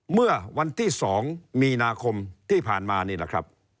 เมื่อวันที่๒มีนาคมที่ผ่านมานี่แหละครับ